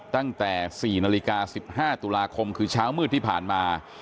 ตั้งแต่๔นาฬิกา๑๕ตุลาคมคือเช้ามืดที่ผ่านมา